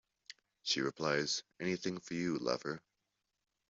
She replies "Anything for you, lover".